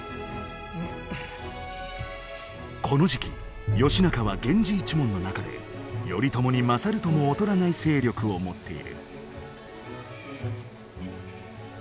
この時期義仲は源氏一門の中で頼朝に勝るとも劣らない勢力を持っている。